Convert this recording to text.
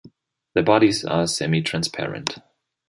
Their bodies are semitransparent.